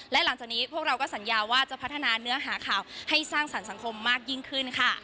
และหลังจากนี้พวกเราก็สัญญาว่าจะพัฒนาเนื้อหาข่าวให้สร้างสรรค์สังคมมากยิ่งขึ้นค่ะ